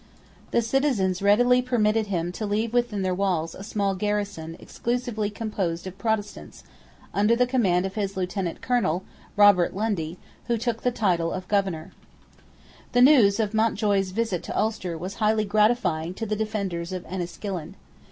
The citizens readily permitted him to leave within their walls a small garrison exclusively composed of Protestants, under the command of his lieutenant colonel, Robert Lundy, who took the title of Governor, The news of Mountjoy's visit to Ulster was highly gratifying to the defenders of Enniskillen.